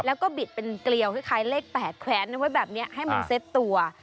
แล้วก็บิดเป็นเกลียวคล้ายเลข๘แขวนเอาไว้แบบนี้ให้มันเซ็ตตัว